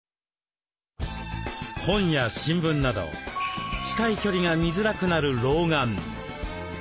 本や新聞など近い距離が見づらくなる老眼。